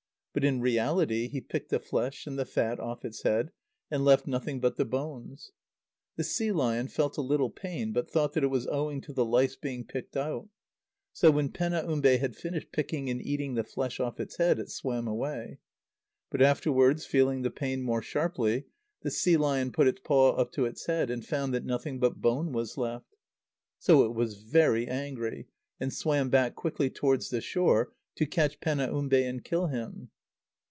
But in reality he picked the flesh and the fat off its head, and left nothing but the bones. The sea lion felt a little pain, but thought that it was owing to the lice being picked out. So, when Penaumbe had finished picking and eating the flesh off its head, it swam away. But afterwards, feeling the pain more sharply, the sea lion put its paw up to its head, and found that nothing but bone was left. So it was very angry, and swam back quickly towards the shore, to catch Penaumbe and kill him.